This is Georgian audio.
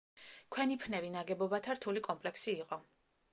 ქვენიფნევი ნაგებობათა რთული კომპლექსი იყო.